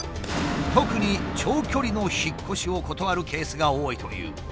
特に長距離の引っ越しを断るケースが多いという。